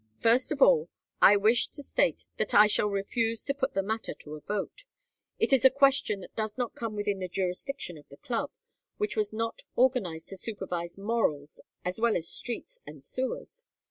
First of all, I wish to state that I shall refuse to put the matter to a vote. It is a question that does not come within the jurisdiction of the Club, which was not organized to supervise morals as well as streets and sewers.